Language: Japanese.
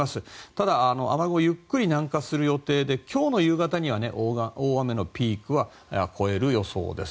ただ、雨雲はゆっくり南下する予定で今日の夕方には大雨のピークは越える予想です。